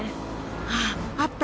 ああった。